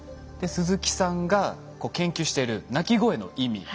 鈴木さんが研究している鳴き声の意味。